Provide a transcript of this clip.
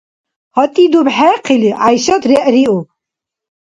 ГьатӀи дубхӀехъили, ГӀяйшат регӀриуб.